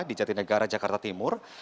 di jatinegara jakarta timur